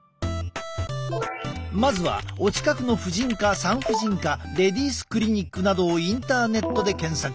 まずはお近くの婦人科産婦人科レディースクリニックなどをインターネットで検索。